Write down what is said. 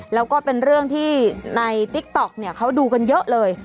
แล้วก็เป็นเรื่องที่ในติ๊กต๊อกเนี่ยเขาดูกันเยอะเลย